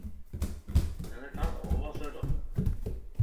Men det kan vere oversetjaren??